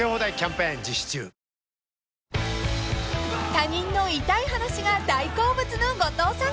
［他人の痛い話が大好物の後藤さん］